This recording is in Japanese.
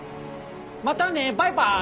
またねバイバイ！